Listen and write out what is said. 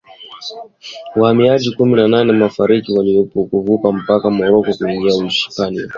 Wahamiaji kumi na nane wafariki walipojaribu kuvuka mpaka wa Morocco kuingia Uhispania